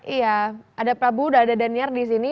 iya ada prabu udah ada daniar di sini